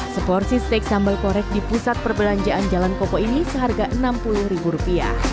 seporsi steak sambal korek di pusat perbelanjaan jalan koko ini seharga rp enam puluh